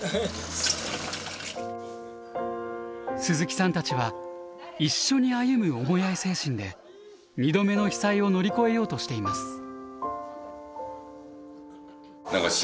鈴木さんたちは一緒に歩むおもやい精神で２度目の被災を乗り越えようとしています。